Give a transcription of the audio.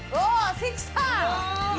関さん！